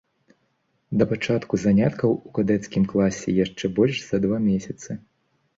Да пачатку заняткаў ў кадэцкім класе яшчэ больш за два месяцы.